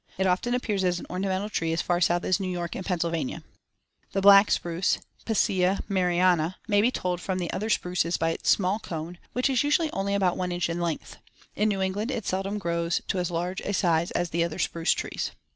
It often appears as an ornamental tree as far south as New York and Pennsylvania. The black spruce (Picea mariana) may be told from the other spruces by its small cone, which is usually only about one inch in length. In New England it seldom grows to as large a size as the other spruce trees.